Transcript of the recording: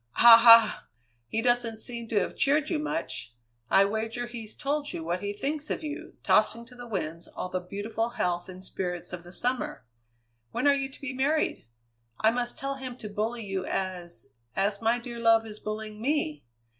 "Ha! ha! He doesn't seem to have cheered you much. I wager he's told you what he thinks of you, tossing to the winds all the beautiful health and spirits of the summer! When are you to be married? I must tell him to bully you as as my dear love is bullying me!